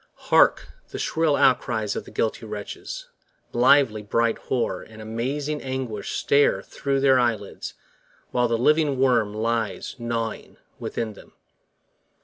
Hark, the shrill outcries of the guilty wretches! Lively bright horror and amazing anguish Stare thro' their eyelids, while the living worm lies Gnawing within them.